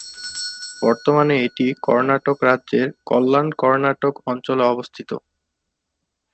বর্তমানে এটি কর্ণাটক রাজ্যের কল্যাণ কর্ণাটক অঞ্চলে অবস্থিত।